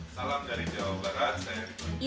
salam dari jawa barat saya riko